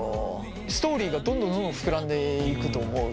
ストーリーがどんどんどんどん膨らんでいくと思うし。